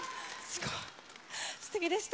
すてきでした。